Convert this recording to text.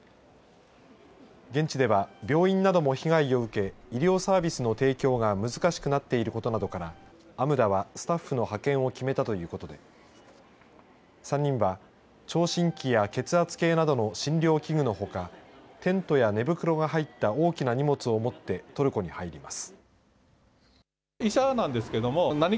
現地では病院なども被害を受けて医療サービスの提供が難しくなっていることなどからＡＭＤＡはスタッフの派遣を決めたということで３人は、聴診器や血圧計などの診療器具のほか、テントや寝袋が入った大きな荷物を持ってトルコに入ります。